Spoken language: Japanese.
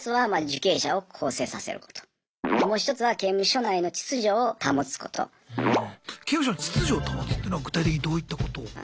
刑務所の秩序を保つっていうのは具体的にどういったことを？